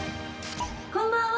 こんばんは！